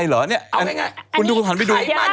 เอาง่าย